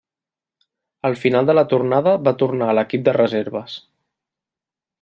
Al final de la tornada va tornar a l'equip de reserves.